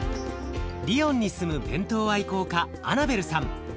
リヨンに住む弁当愛好家アナベルさん。